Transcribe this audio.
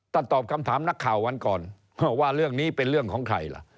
ตอบคำถามนักข่าววันก่อนว่าเรื่องนี้เป็นเรื่องของใครล่ะ